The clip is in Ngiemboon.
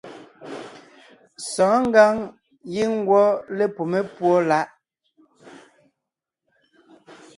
Sɔ̌ɔn ngǎŋ giŋ ngwɔ́ lepumé púɔ láʼ.